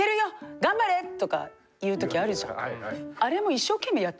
頑張れ！」とか言うときあるじゃん。